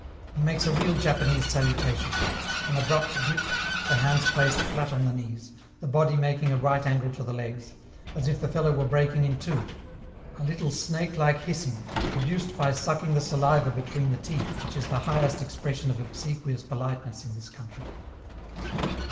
He makes a real Japanese salutation: an abrupt dip, the hands placed flat on the knees, the body making a right angle to the legs, as if the fellow were breaking in two; a little snake like hissing (produced by sucking the saliva between the teeth, which is the highest expression of obsequious politeness in this country).